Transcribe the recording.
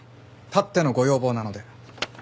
たってのご要望なので。